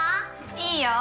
いいよ